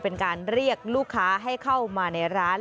เป็นการเรียกลูกค้าให้เข้ามาในร้าน